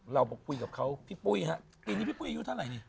เราบอกพูดกับเขาพี่ปุ๊ยปีนี้พี่ปุ๊ยอายุเท่าไหร่